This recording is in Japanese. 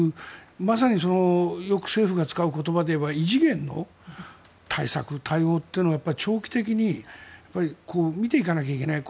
まさによく政府が使う言葉で言えば異次元の対策対応っていうのを長期的に見ていかなきゃいけない。